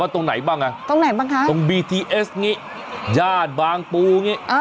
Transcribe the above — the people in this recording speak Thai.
ตรงไหนบ้างอ่ะตรงไหนบ้างฮะตรงบีทีเอสงี้ญาติบางปูงี้อ่า